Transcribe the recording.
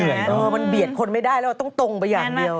มันเบียดคนไม่ได้แล้วต้องตรงไปอย่างเดียว